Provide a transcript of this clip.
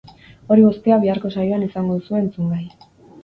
Hori guztia biharko saioan izango duzue entzungai!